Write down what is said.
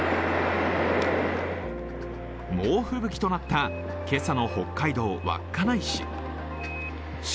猛吹雪となった今朝の北海道稚内市。